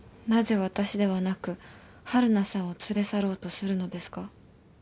なぜ私ではなく晴汝さんを連れ去ろうとするのですか？